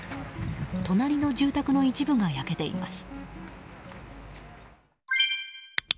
隣の住宅の一部が焼けています。